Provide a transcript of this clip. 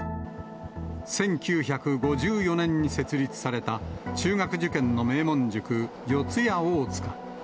１９５４年に設立された中学受験の名門塾、四谷大塚。